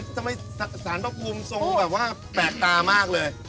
ทำไมสถานกรุงทรงแบบว่าแปลกตามากเลย